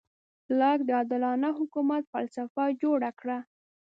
لاک د عادلانه حکومت فلسفه جوړه کړه.